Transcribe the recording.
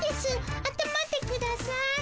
あったまってください。